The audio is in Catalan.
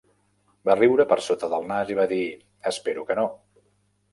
Va riure per sota del nas i va dir: "Espero que no".